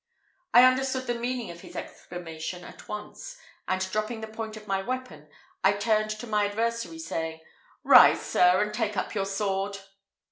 I understood the meaning of his exclamation at once, and dropping the point of my weapon, I turned to my adversary, saying, "Rise, sir, and take up your sword."